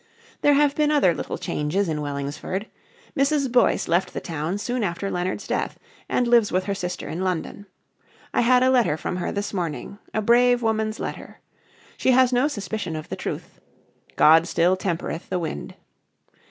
There have been other little changes in Wellingsford. Mrs. Boyce left the town soon after Leonard's death, and lives with her sister in London. I had a letter from her this morning a brave woman's letter. She has no suspicion of the truth. God still tempereth the wind....